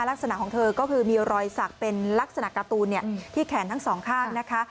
ลักษณะของเธอก็คือมีรอยสักเป็นลักษณะการ์ตูนที่แขนทั้งสองข้างนะคะ